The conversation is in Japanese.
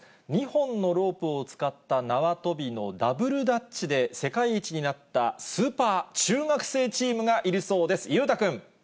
２本のロープを使った縄跳びのダブルダッチで世界一になったスーパー中学生チームがいるそうです。